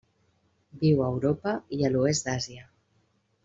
Viu a Europa i a l'oest d'Àsia.